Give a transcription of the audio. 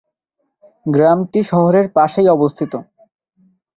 গ্রামটি শহরের পাশেই অবস্থিত।